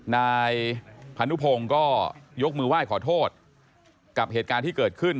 นายพานุพงศ์ก็ยกมือไหว้ขอโทษกับเหตุการณ์ที่เกิดขึ้น